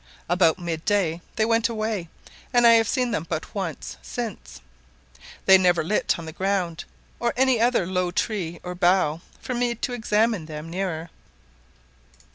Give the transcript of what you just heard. About mid day they went away, and I have seen them but once since. They never lit on the ground, or any low tree or bough, for me to examine them nearer.